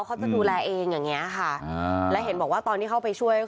เขาจะดูแลเองอย่างเงี้ยค่ะอ่าแล้วเห็นบอกว่าตอนที่เข้าไปช่วย